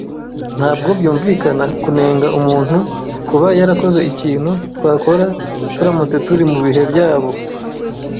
Ntabwo byumvikana kunenga umuntu kuba yarakoze ikintu twakora turamutse turi mubihe byabo.